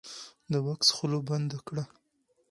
د بکس خوله بنده کړه.